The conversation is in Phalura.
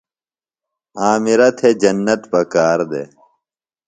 عامرہ تھےۡ جنت پکار دےۡ۔